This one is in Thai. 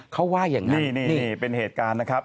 เขาว่าอย่างนี้นี่เป็นเหตุการณ์นะครับ